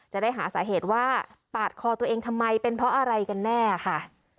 จะได้หาสาเหตุว่าปาดคอตัวเองทำไมเป็นเพราะอะไรกันแน่ค่ะ